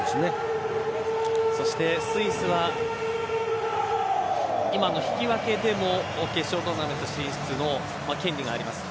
そして、スイスは今の引き分けでも決勝トーナメント進出の権利があります。